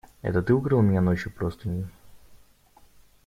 Это ты укрыл меня ночью простынею?